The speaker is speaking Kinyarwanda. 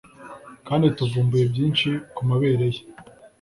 kandi tuvumbuye byinshi kumabere ye